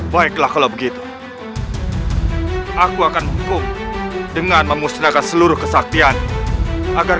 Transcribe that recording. baiklah kalau begitu aku akan hukum dengan memusnahkan seluruh kesaktian agar